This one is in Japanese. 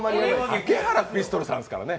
竹原ピストルさんですからね